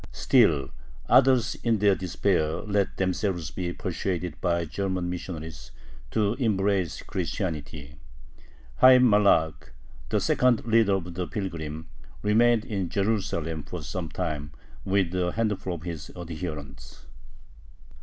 Still others in their despair let themselves be persuaded by German missionaries to embrace Christianity. Hayyim Malakh, the second leader of the pilgrims, remained in Jerusalem for some time with a handful of his adherents.